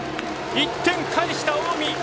１点返した近江。